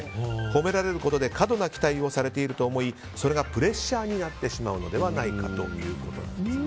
褒められることで過度な期待をされていると思いそれがプレッシャーになってしまうのではないかということです。